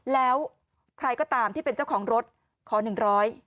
แล้วใครก็ตามที่เป็นเจ้าของรถขอหนึ่งร้อย